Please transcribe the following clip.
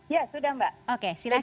ya sudah mbak oke silahkan